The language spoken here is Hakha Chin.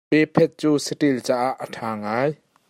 Pe phat cu saṭil caah a ṭha ngai.